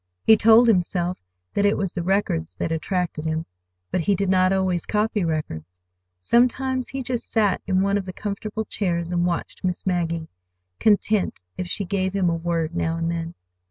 He told himself that it was the records that attracted him. But he did not always copy records. Sometimes he just sat in one of the comfortable chairs and watched Miss Maggie, content if she gave him a word now and then.